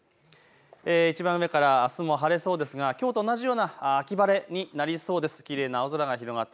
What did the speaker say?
いちばん上、あすも晴れそうですが、きょうと同じような秋晴れになりそうです。